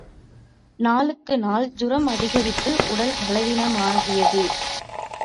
நாளுக்கு நாள் ஜூரம் அதிகரித்து, உடல் பலவீனமாகியது.